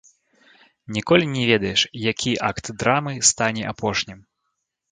Ніколі не ведаеш, які акт драмы стане апошнім.